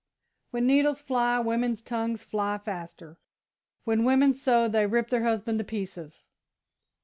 "When needles fly, women's tongues fly faster; when women sew, they rip their husbands to pieces."